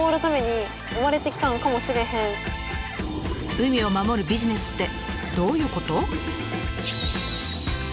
海を守るビジネスってどういうこと？